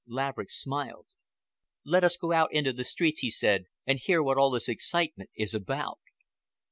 Laverick smiled. "Let us go out into the streets," he said, "and hear what all this excitement is about."